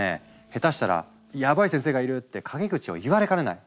ヘタしたら「ヤバイ先生がいる」って陰口を言われかねない。